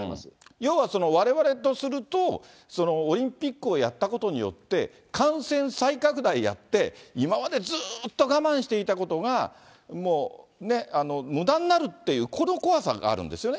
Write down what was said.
要は、われわれとすると、オリンピックをやったことによって、感染再拡大やって、今までずっと我慢していたことが、もうむだになるって、この怖さがあるんですよね。